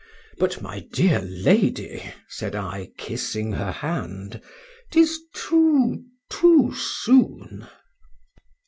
—But my dear lady, said I, kissing her hand,—'tis too—too soon.